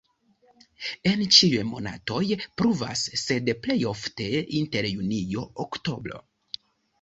En ĉiuj monatoj pluvas, sed plej ofte inter junio-oktobro.